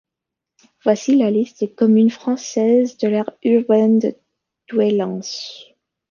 Voici la liste des communes françaises de l'aire urbaine de Douai-Lens.